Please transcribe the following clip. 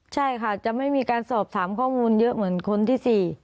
ใช่ค่ะจะไม่มีการสอบถามข้อมูลเยอะเหมือนคนที่๔